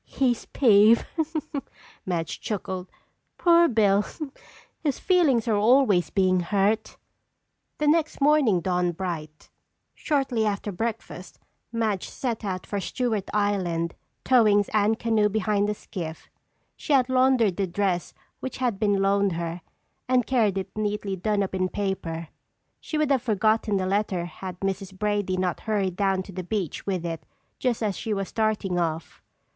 "He's peeved," Madge chuckled. "Poor Bill! His feelings are always being hurt." The next morning dawned bright. Shortly after breakfast, Madge set out for Stewart Island, towing Anne's canoe behind the skiff. She had laundered the dress which had been loaned her and carried it neatly done up in paper. She would have forgotten the letter had Mrs. Brady not hurried down to the beach with it just as she was starting off.